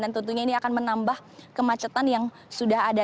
dan tentunya ini akan menambah kemacetan yang sudah ada